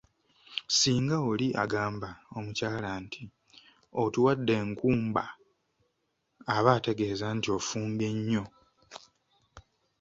Singa oli agamba omukyala nti 'otuwadde enkumba' aba ategeeza nti ofumbye nnyo.